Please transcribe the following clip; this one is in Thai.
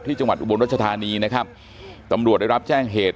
จังหวัดอุบลรัชธานีนะครับตำรวจได้รับแจ้งเหตุ